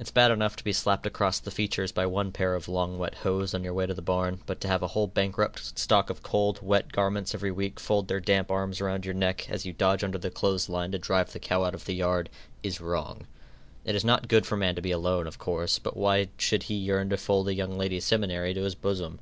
It's bad enough to be slapped across the features by one pair of long wet hose on your way to the barn, but to have a whole bankrupt stock of cold, wet garments every week fold their damp arms around your neck, as you dodge under the clothes line to drive the cow out of the yard, is wrong. It is not good for man to be alone, of course, but why should he yearn to fold a young ladies' seminary to his bosom?